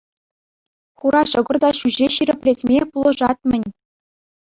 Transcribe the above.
Хура ҫӑкӑр та ҫӳҫе ҫирӗплетме пулӑшать-мӗн.